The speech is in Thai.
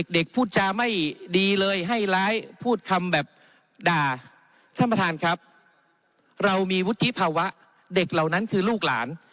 พูดจาไม่ดีเลยให้ร้ายพูดคำแบบด่าท่านประธานครับเรามีวุฒิภาวะเด็กเหล่านั้นคือลูกหลาน